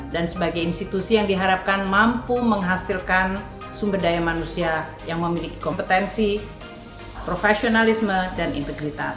dan sebagai institusi yang diharapkan mampu menghasilkan sumber daya manusia yang memiliki kompetensi profesionalisme dan integritas